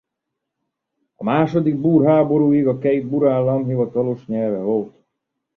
A második búr háborúig a két búr állam hivatalos nyelve volt.